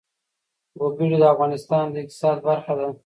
وګړي د افغانستان د اقتصاد برخه ده.